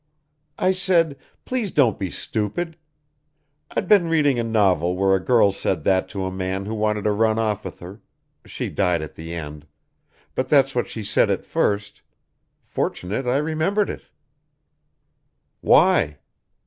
"I said: 'Please don't be stupid.' I'd been reading a novel where a girl said that to a man who wanted to run off with her she died at the end but that's what she said at first Fortunate I remembered it." "Why?"